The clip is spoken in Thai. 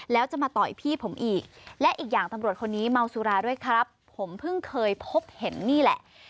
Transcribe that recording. แล้วจะมาต่อยพี่ผมอีกและอีกอย่างตำรวจคนนี้เมาสุราด้วยครับผมเพิ่งเคยพบเห็นนี่แหละ